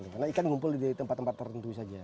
karena ikan ngumpul di tempat tempat tertentu saja